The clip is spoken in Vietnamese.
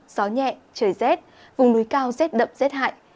gió nhẹ trời rét vùng núi cao rét đậm rét hại